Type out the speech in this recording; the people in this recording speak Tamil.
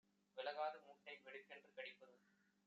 விலகாது மூட்டை வெடுக்கென்று கடிப்பதும்